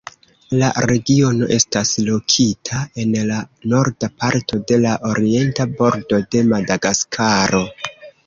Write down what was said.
La regiono estas lokita en la norda parto de la orienta bordo de Madagaskaro.